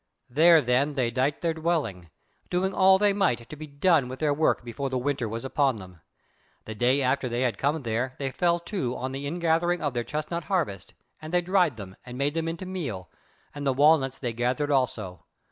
There then they dight their dwelling, doing all they might to be done with their work before the winter was upon them. The day after they had come there they fell to on the in gathering of their chestnut harvest, and they dried them, and made them into meal; and the walnuts they gathered also.